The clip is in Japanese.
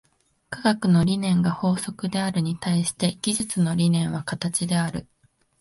科学の理念が法則であるに対して、技術の理念は形である。